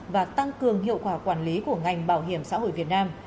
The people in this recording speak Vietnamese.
và tăng cường hiệu quả quản lý của ngành bảo hiểm xã hội việt nam